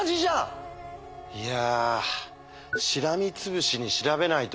いや。